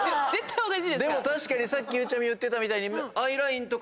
でも確かにさっきゆうちゃみ言ってたみたいに。